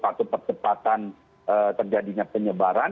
faktor pertepatan terjadinya penyebaran